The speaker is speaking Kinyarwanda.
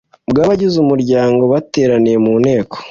bw abagize umuryango bateraniye mu nteko